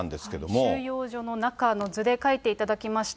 収容所の中を図で描いていただきました。